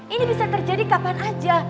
ini bisa terjadi kapan aja